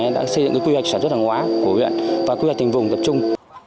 đã xây dựng quy hoạch sản xuất hàng hóa của huyện và quy hoạch thành vùng tập trung